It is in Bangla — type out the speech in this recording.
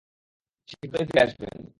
শীঘ্রই ফিরে আসবেন।